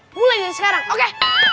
mulai dari sekarang oke